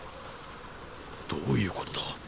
どういうことだ。